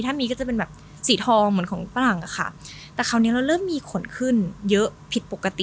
ถ้ามีก็จะเป็นแบบสีทองเหมือนของฝรั่งอะค่ะแต่คราวนี้เราเริ่มมีขนขึ้นเยอะผิดปกติ